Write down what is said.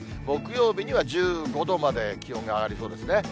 木曜日には１５度まで気温が上がりそうですね。